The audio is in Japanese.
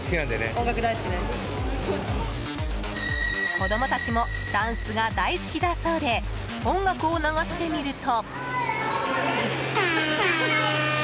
子供たちもダンスが大好きだそうで音楽を流してみると。